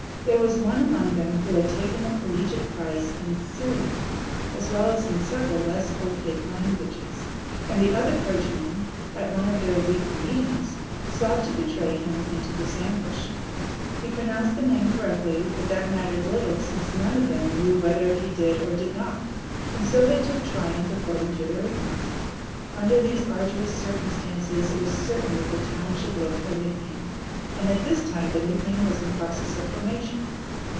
There was one among them who had taken a collegiate prize in Syriac, as well as in several less opaque languages, and the other clergymen at one of their weekly meetings sought to betray him into this ambush. He pronounced the name correctly, but that mattered little, since none of them knew whether he did or did not; and so they took triumph according to their ignorance. Under these arduous circumstances it was certain that the town should look for a nickname, and at this time the nickname was in process of formation.